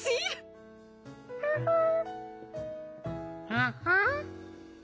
フフ。